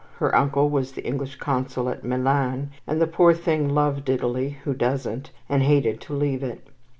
Her uncle was the English Consul at Milan, and the poor thing loved Italy (who doesn't!), and hated to leave it.